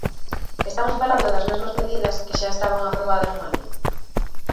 Estamos falando das mesmas medidas que xa estaban aprobadas nunha lei.